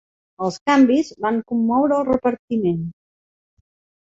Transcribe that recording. Els canvis van commoure el repartiment.